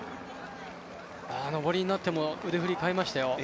のぼりになって腕振り、変えましたよ。